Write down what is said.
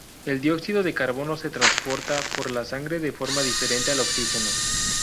El dióxido de carbono se transporta por la sangre de forma diferente al oxígeno.